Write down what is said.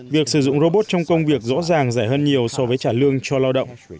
việc sử dụng robot trong công việc rõ ràng rẻ hơn nhiều so với trả lương cho lao động